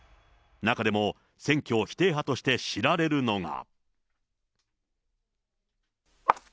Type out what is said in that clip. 中でも、選挙否定派として知られるのが。